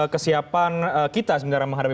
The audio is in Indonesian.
kesiapan kita sebenarnya menghadapi